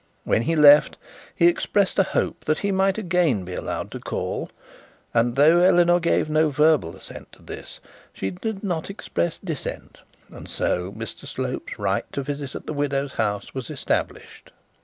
When he left, he expressed a hope that he might again be allowed to call; and though Eleanor gave no verbal assent to this, she did not express dissent; and so Mr Slope's right to visit at the widow's house was established.